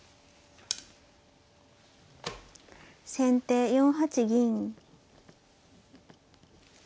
先手４八銀。